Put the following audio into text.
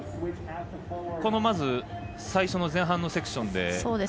まず、最初の前半のセクションで。